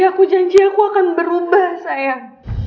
aku janji aku akan berubah sayang